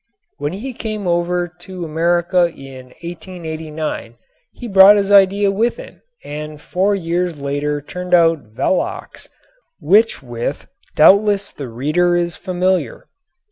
When he came over to America in 1889 he brought his idea with him and four years later turned out "Velox," with which doubtless the reader is familiar.